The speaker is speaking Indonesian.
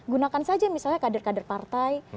gunakan saja misalnya kader kader partai